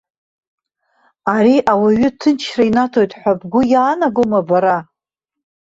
Ари ауаҩы ҭынчра инаҭоит ҳәа бгәы иаанагома бара?